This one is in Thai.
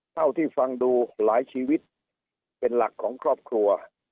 เท่าที่ฟังดูหลายชีวิตเป็นหลักของครอบครัว